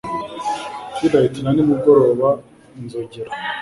Twilight na nimugoroba inzogera